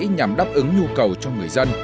nhằm đáp ứng nhu cầu cho người dân